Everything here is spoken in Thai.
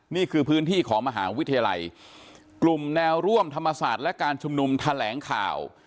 นี่คือพื้นที่ของมหาวิทยาลัยกลุ่มแนวร่วมธรรมศาสตร์และการชุมนุมแถลงข่าว